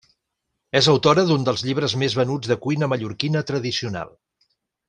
És autora d'un dels llibres més venuts de cuina mallorquina tradicional.